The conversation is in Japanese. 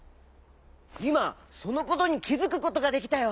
いまそのことにきづくことができたよ。